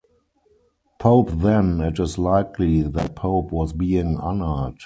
Pope then it is likely that Pope was being honoured.